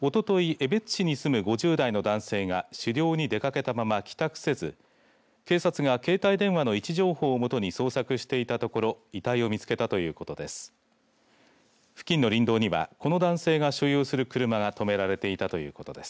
江別市に住む５０代の男性が狩猟に出かけたまま帰宅せず警察が携帯電話の位置情報をもとに捜索していたところ遺体を見つけたということです。